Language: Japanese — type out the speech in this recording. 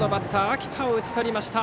秋田を打ち取りました。